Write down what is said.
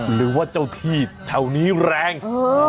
หรือว่าเจ้าที่แถวนี้แรง